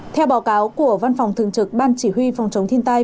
theo báo cáo của văn phòng thường trực ban chỉ huy phòng chống thiên tai